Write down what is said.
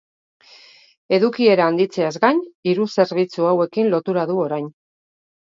Edukiera handitzeaz gain, hiru zerbitzu hauekin lotura du orain.